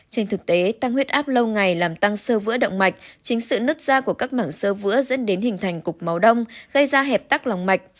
trên thực tế tăng huyết áp lâu ngày làm tăng sơ vữa động mạch chính sự nứt da của các mảng sơ vữa dẫn đến hình thành cục máu đông gây ra hẹp tắc lòng mạch